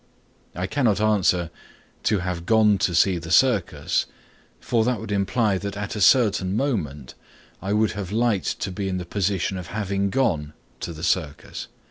I cannot answer "To have gone to see the circus" for that would imply that at a certain moment I would have liked to be in the position of having gone to the circus.